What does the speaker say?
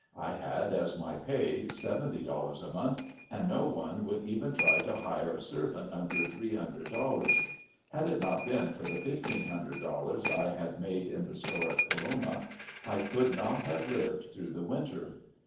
I had, as my pay, seventy dollars a month, and no one would even try to hire a servant under three hundred dollars. Had it not been for the fifteen hundred dollars I had made in the store at Coloma, I could not have lived through the winter.